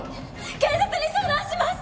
警察に相談します！